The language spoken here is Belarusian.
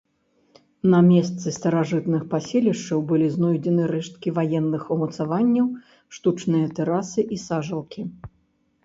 На месцы старажытных паселішчаў былі знойдзены рэшткі ваенных умацаванняў, штучныя тэрасы і сажалкі.